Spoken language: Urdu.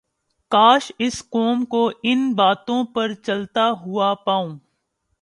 کاش اس قوم کو ان باتوں پر چلتا ھوا پاؤں